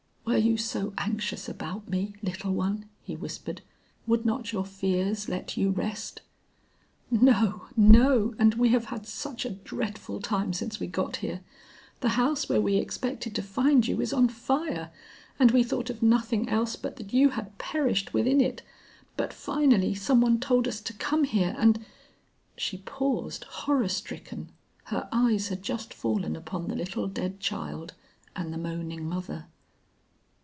"Were you so anxious about me, little one?" he whispered. "Would not your fears let you rest?" "No, no; and we have had such a dreadful time since we got here. The house where we expected to find you, is on fire, and we thought of nothing else but that you had perished within it. But finally some one told us to come here, and " She paused horror stricken; her eyes had just fallen upon the little dead child and the moaning mother.